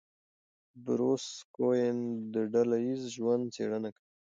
بروس کوئن د ډله ایز ژوند څېړنه کوي.